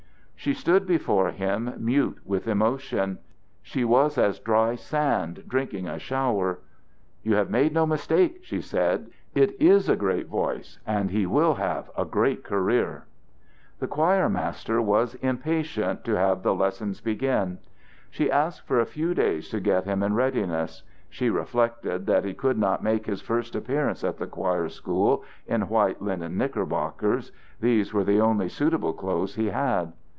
She stood before him mute with emotion. She was as dry sand drinking a shower. "You have made no mistake," she said. "It is a great voice and he will have a great career." The choir master was impatient to have the lessons begin. She asked for a few days to get him in readiness. She reflected that he could not make his first appearance at the choir school in white linen knickerbockers. These were the only suitable clothes he had.